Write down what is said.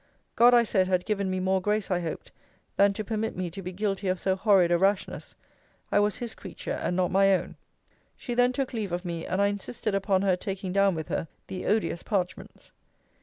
God, I said, had given me more grace, I hoped, than to permit me to be guilty of so horrid a rashness, I was his creature, and not my own. She then took leave of me; and I insisted upon her taking down with her the odious parchments.